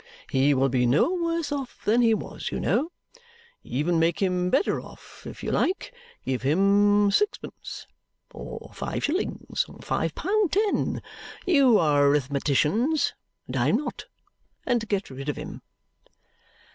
He will be no worse off than he was, you know. Even make him better off, if you like. Give him sixpence, or five shillings, or five pound ten you are arithmeticians, and I am not and get rid of him!"